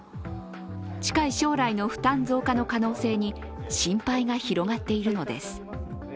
近い将来の負担増加の可能性に心配が広がっているのです。